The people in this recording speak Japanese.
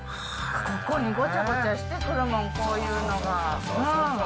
ここにごちゃごちゃしてくるもん、こういうのが。